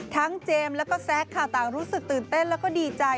เจมส์แล้วก็แซคค่ะต่างรู้สึกตื่นเต้นแล้วก็ดีใจ